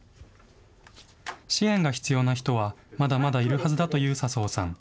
支援が必要な人は、まだまだいるはずだという笹生さん。